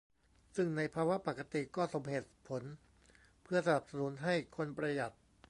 ซึ่งในภาวะปกติก็สมเหตุผลเพื่อสนับสนุนให้คนประหยัด